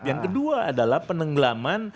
yang kedua adalah penenggelaman